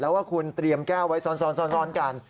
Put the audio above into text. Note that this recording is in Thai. แล้วว่าคุณเตรียมแก้วไว้ซ้อนกัน